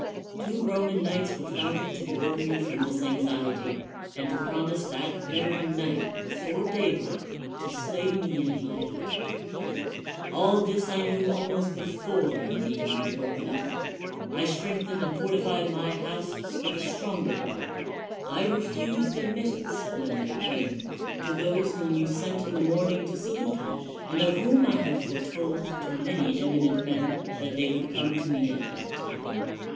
Two Roman knights were found to deliver you from this anxiety, and to promise that very night, before daybreak, to slay me in my bed. All this I knew almost before your meeting had broken up. I strengthened and fortified my house with a stronger guard; I re fused admittance, when they came, to those whom you sent in the morning to salute me, and of whom I had foretold to many eminent men that they would come to me at that time.